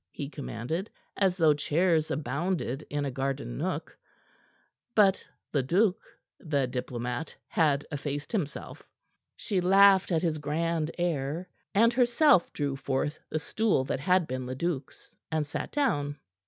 he commanded, as though chairs abounded in a garden nook. But Leduc, the diplomat, had effaced himself. She laughed at his grand air, and, herself, drew forward the stool that had been Leduc's, and sat down.